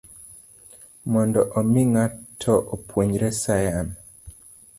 Mondo omi ng'ato opuonjre sayan